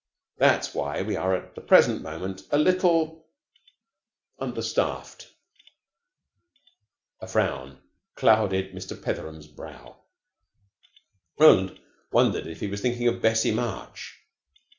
That's why we are at the present moment a little understaffed." A frown clouded Mr. Petheram's brow. Roland wondered if he was thinking of Bessie March.